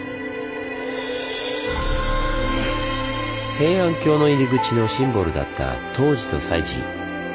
平安京の入り口のシンボルだった東寺と西寺。